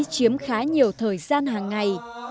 chiếm khá nhiều thời gian hàng ngày